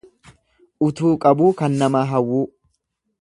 Utuu qabuu kan namaa hawwuu.